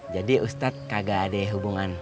jadi ustadz kagak ada hubungan